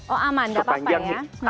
oh aman gak apa apa ya